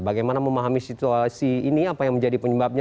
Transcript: bagaimana memahami situasi ini apa yang menjadi penyebabnya